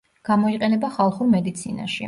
გამოიყენება ხალხურ მედიცინაში.